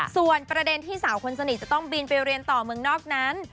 ส่วนประเด็นที่สาวคนสนิทจะต้องบินไปเรียนต่อเมืองนอกนั้น